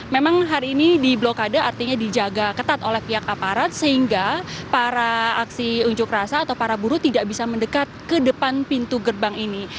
memang hari ini di blokade artinya dijaga ketat oleh pihak aparat sehingga para aksi unjuk rasa atau para buruh tidak bisa mendekat ke depan pintu gerbang ini